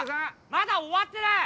まだ終わってない！